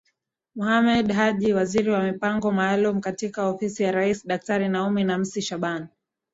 Mohamed Haji Waziri wa mipango maalumu katika Ofisi ya Rais Daktari Naomi Namsi Shaban